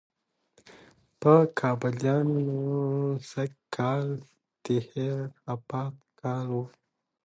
په کابليانو سږ کال به د خیره د آبادۍ کال وي،